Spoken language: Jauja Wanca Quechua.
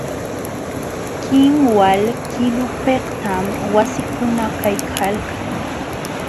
Kinwal qilupiqtam wasikuna kaykalkan.